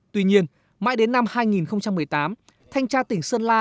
tuy nhiên mãi đến năm hai nghìn một mươi tám thanh tra tỉnh sơn la